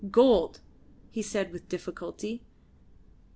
"Gold," he said with difficulty.